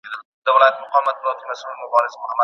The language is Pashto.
پاکستان د افغانستان له روغتیایي سکتور سره څه مرسته کوي؟